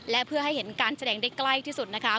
และเพื่อให้เห็นการแสดงได้ใกล้ที่สุดนะคะ